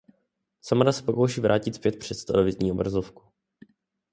Samara se pokouší vrátit zpět přes televizní obrazovku.